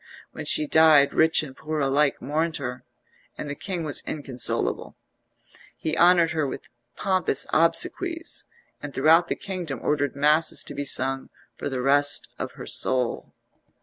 When she died rich and poor alike mourned her, and the king was inconsolable. He honoured her with pompous obsequies, and throughout the kingdom ordered masses to be sung for the rest of her soul.